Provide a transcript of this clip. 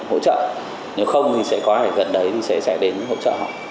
hỗ trợ nếu không thì sẽ có phải gần đấy thì sẽ đến hỗ trợ họ